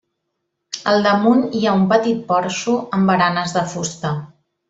Al damunt hi ha un petit porxo amb baranes de fusta.